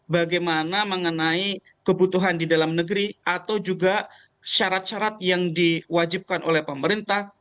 bagaimana mengenai kebutuhan di dalam negeri atau juga syarat syarat yang diwajibkan oleh pemerintah